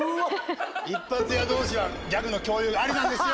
一発屋どうしはギャグの共有がありなんですよ！